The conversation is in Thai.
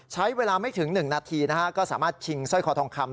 ใช้เวลาไม่ถึง๑นาทีก็สามารถชิงสร้อยคอทองคำ